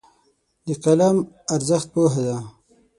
د قلم ارزښت پوهه ده.